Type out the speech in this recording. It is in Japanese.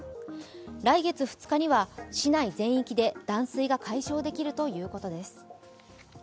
来月２日には市内全域で断水が解消できるということです。